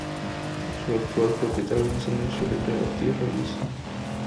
Su actual propietario es Luis Felipe Ortiz Reyes.